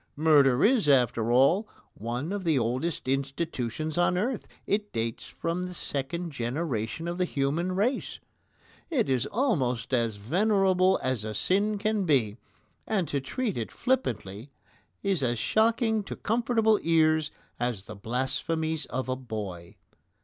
Murder is, after all, one of the oldest institutions on earth. It dates from the second generation of the human race. It is almost as venerable as a sin can be, and to treat it flippantly is as shocking to comfortable ears as the blasphemies of a boy.